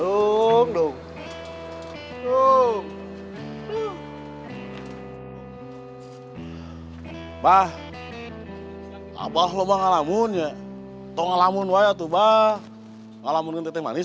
hai hai hai bah apa loba ngalamunya tonglamun wayatubah ngalamun teteh manis